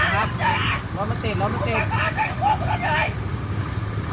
รถตะติดครับรถมันติดรถมันติด